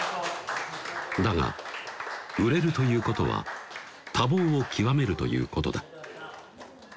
だが売れるということは多忙を極めるということだ